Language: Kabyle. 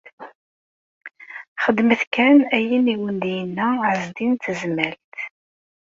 Xedmet kan ayen i awen-d-yenna Ɛezdin n Tezmalt.